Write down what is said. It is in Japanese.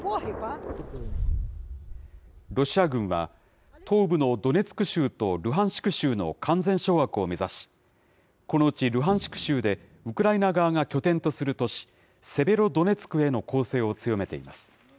ロシア軍は、東部のドネツク州とルハンシク州の完全掌握を目指し、このうちルハンシク州で、ウクライナ側が拠点とする都市、セベロドネツクへの攻勢を強めています。